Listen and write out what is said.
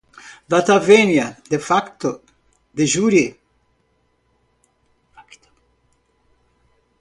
data venia, de facto, de jure